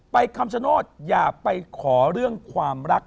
คำชโนธอย่าไปขอเรื่องความรัก